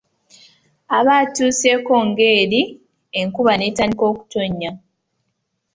Aba atuuseeko ng’eri, enkuba n’entandika okutonnya.